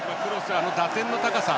あの打点の高さ。